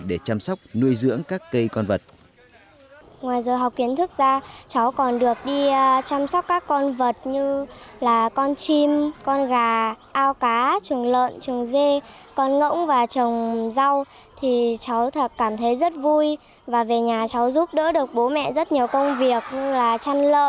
để chăm sóc nuôi dưỡng các cây con vật